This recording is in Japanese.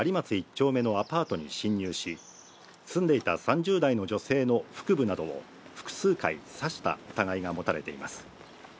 １丁目のアパートに侵入し、住んでいた３０代の女性の腹部などを複数回刺した疑いが持たれています。